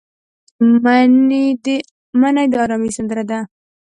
منی د ارامۍ سندره ده